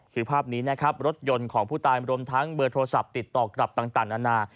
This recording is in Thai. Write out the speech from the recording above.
คือภาพนี้นะครับรถยนต์ของผู้ตายรวมทั้งเบอร์โทรศัพท์ติดต่อกลับต่างนานา